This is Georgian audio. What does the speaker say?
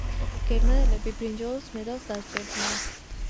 გერმანელები ბრინჯაოს მედალს დასჯერდნენ.